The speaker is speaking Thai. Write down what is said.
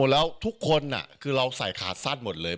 แล้วทุกคนคือเราใส่ขาดสั้นหมดเลย